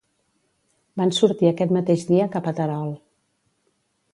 Van sortir aquest mateix dia cap a Terol.